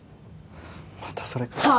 またそれかよ。